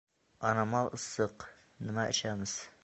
Anomal issiq: Nima ichamiz?